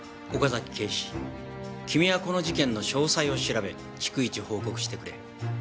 岡崎警視君はこの事件の詳細を調べ逐一報告してくれ。